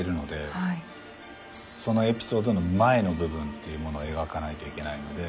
そのエピソードの前の部分も描かないといけないので。